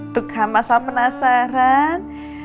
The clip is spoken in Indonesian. tuh kan masa penasaran